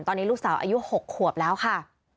ตอนนี้ลูกสาวอายุ๖ขวบแล้วค่ะ